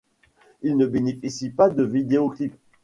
Il ne bénéficie pas de vidéoclip.